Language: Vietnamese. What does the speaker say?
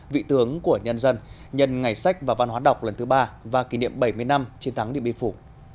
vị tướng của nhân dân nhân ngày sách và văn hóa đọc lần thứ ba và kỷ niệm bảy mươi năm chiến thắng địa biên phủ